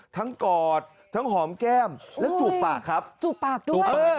กอดทั้งหอมแก้มและจูบปากครับจูบปากด้วย